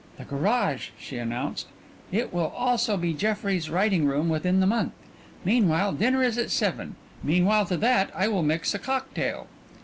"The garage," she announced. "It will also be Jeffrey's writing room within the month. Meanwhile dinner is at seven. Meanwhile to that I will mix a cocktail."